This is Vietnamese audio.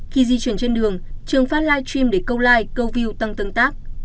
khi di chuyển trên đường trường phát live stream để câu like câu view tăng tương tác